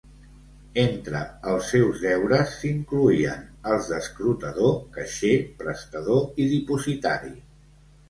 Entre els seus deures s'incloïen els d'escrutador, caixer, prestador i dipositari.